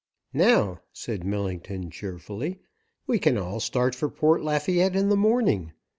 "Now," said Millington cheerfully, "we can all start for Port Lafayette in the morning.